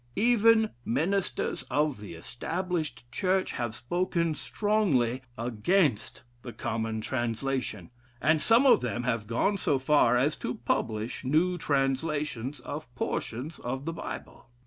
Even ministers of the Established Church have spoken strongly against the common translation, and some of them have gone so far as to publish new translations of portions of the Bible.